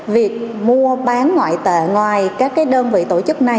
việc mua bán ngoại tệ